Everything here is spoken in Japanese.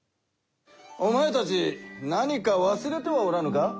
おまえたち何かわすれてはおらぬか。